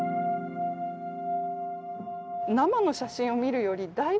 生の写真を見るよりだいぶ。